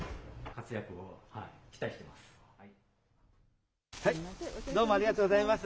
活躍を期待しています。